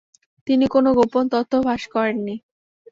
তিনি কোনো গোপন তথ্য ফাঁস করেননি।